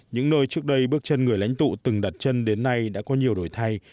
những nơi trước đây bước chân người lãnh tụ từng đặt chân đến nay đã có nhiều đổi thay